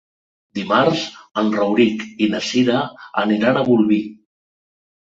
Dimarts en Rauric i na Cira aniran a Bolvir.